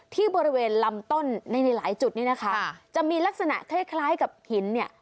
ที่บริเวณลำต้นในในหลายจุดนี้นะคะจะมีลักษณะคล้ายคล้ายกับหินเนี่ย